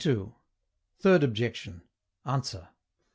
THIRD OBJECTION. ANSWER.